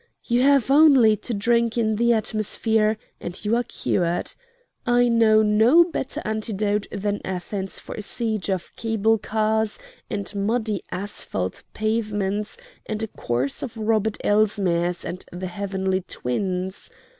You have only to drink in the atmosphere and you are cured. I know no better antidote than Athens for a siege of cable cars and muddy asphalt pavements and a course of Robert Elsmeres and the Heavenly Twins.